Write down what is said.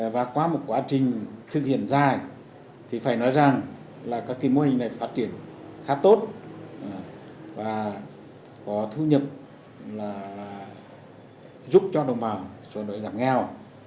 và qua một quá trình thực hiện dài thì phải nói rằng là các cái mô hình này phát triển khá tốt và có thu nhập là giúp cho đồng bào sửa đổi giảm nghèo